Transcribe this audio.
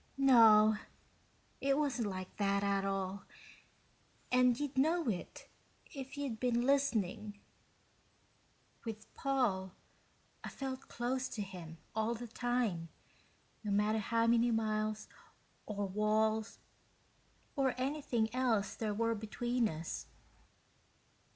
"No, it wasn't like that at all, and you'd know it, if you'd been listening. With Paul, I felt close to him all the time, no matter how many miles or walls or anything else there were between us.